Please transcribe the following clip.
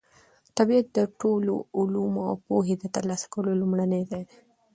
طبیعت د ټولو علومو او پوهې د ترلاسه کولو لومړنی ځای دی.